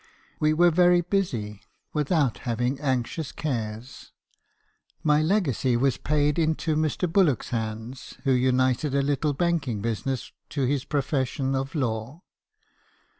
We were very busy, without having anxious cares. My legacy was paid into Mr. Bullock's hands , who united a little banking business to his profession of law.